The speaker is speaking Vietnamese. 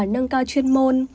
nâng cao chuyên môn